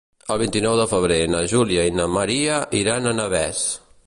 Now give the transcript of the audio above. El vint-i-nou de febrer na Júlia i na Maria iran a Navès.